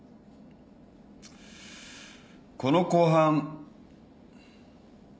この公判。